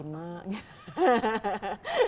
pulang juga waktu tinggal lima